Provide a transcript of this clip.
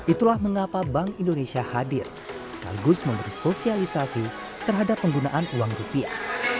itulah mengapa bank indonesia hadir sekaligus memberi sosialisasi terhadap penggunaan uang rupiah